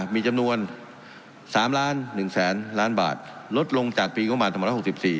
มีจำนวน๓ล้านหนึ่งแสนล้านบาทลดลงจากปีงบประมาณสองพันร้อยหกสิบสี่